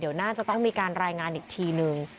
เดี๋ยวน่าจะต้องมีการรายงานอีกทีนึง